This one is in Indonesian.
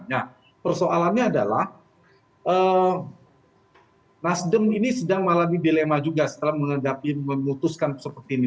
nah persoalannya adalah nasdem ini sedang mengalami dilema juga setelah menghadapi memutuskan seperti ini